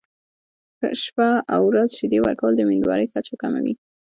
شپه او ورځ شیدې ورکول د امیندوارۍ کچه کموي.